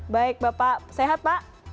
baik bapak sehat pak